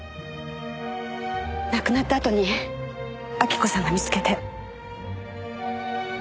亡くなったあとに晃子さんが見つけて。